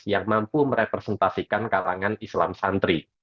yang mampu merepresentasikan kalangan islam santri